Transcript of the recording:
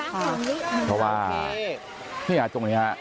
ค่ะนี่หรือเปล่าเพราะว่านี่อยากตรงนี้ฮะ